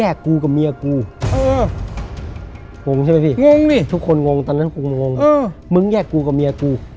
แยกกูกับเมียกูงงใช่ไหมพี่ทุกคนงงตอนนั้นผมงงมึงแยกกูกับเมียกู